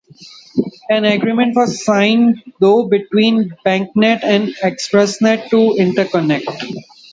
An agreement was signed though between BancNet and Expressnet to interconnect.